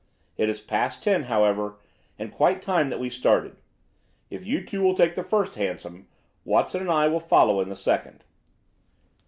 It is past ten, however, and quite time that we started. If you two will take the first hansom, Watson and I will follow in the second."